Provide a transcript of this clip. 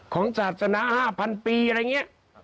ของศาสนา๕๐๐ปีอะไรอย่างนี้